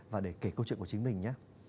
và để kể câu chuyện của chính mình nhé